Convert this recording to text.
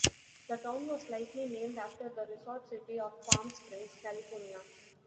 The town was likely named after the resort city of Palm Springs, California.